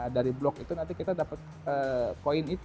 dari blok itu nanti kita dapat poin itu